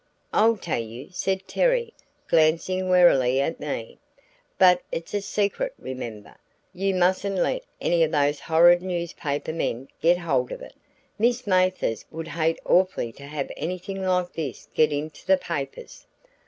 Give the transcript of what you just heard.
"I'll tell you," said Terry, glancing warily at me, "but it's a secret, remember. You mustn't let any of those horrid newspaper men get hold of it. Miss Mathers would hate awfully to have anything like this get into the papers."